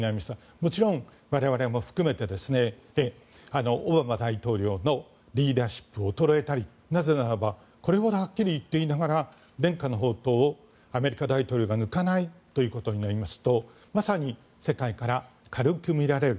もちろん我々も含めてオバマ大統領のリーダーシップ衰えたりなぜならばこれほどはっきり言っておきながら伝家の宝刀をアメリカ大統領が抜かないということになりますとまさに世界から軽く見られる。